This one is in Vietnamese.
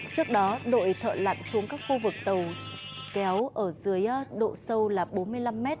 trước đó đội thợ lặn xuống các khu vực tàu kéo ở dưới độ sâu là bốn mươi năm m